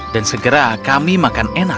dan segera kami makan enak